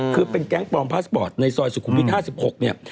คือเป็นแก๊งปลอมพาสปอร์ตในซอยสุขุมวิท๕๖เนี่ย